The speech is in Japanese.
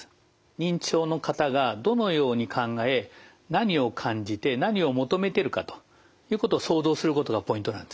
認知症の方がどのように考え何を感じて何を求めてるかということを想像することがポイントなんですね。